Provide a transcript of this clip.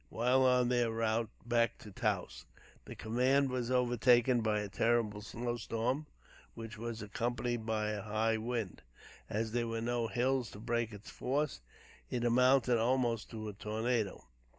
While on their route back to Taos, the command was overtaken by a terrible snow storm which was accompanied by a high wind; as there were no hills to break its force, it amounted almost to a tornado.